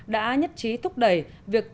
đã nhất trị các hội đồng nga nato